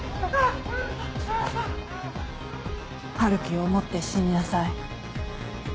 晴希を思って死になさい